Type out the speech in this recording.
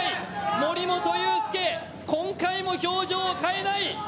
森本裕介、今回も表情を変えない。